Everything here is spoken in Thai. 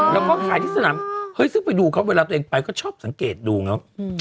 แล้วก็ขายที่สนามเฮ้ยซึ่งไปดูเขาเวลาตัวเองไปก็ชอบสังเกตดูไงว่า